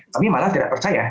kami malah tidak percaya